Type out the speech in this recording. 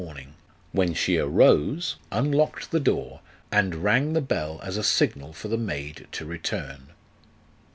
morning, when she arose, unlocked the door, and rang the bell as a signal for the maid to return.